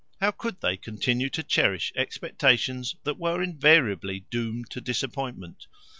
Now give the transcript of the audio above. How could they continue to cherish expectations that were invariably doomed to disappointment?